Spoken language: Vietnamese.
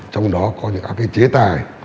trong đó có những cái chế tài